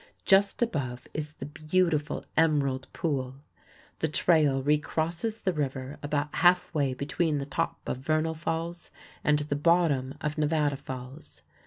Just above is the beautiful Emerald Pool. The trail recrosses the river about half way between the top of Vernal Falls and the bottom of Nevada Falls.